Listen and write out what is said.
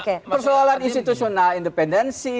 ini persoalan institusional independensi